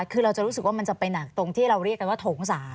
คือเราจะรู้สึกว่ามันจะไปหนักตรงที่เราเรียกกันว่าโถง๓